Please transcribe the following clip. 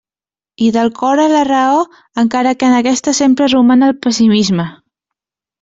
I del cor a la raó, encara que en aquesta sempre roman el pessimisme.